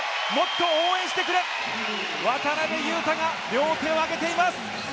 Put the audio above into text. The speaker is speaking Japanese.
渡邊雄太が両手を挙げています。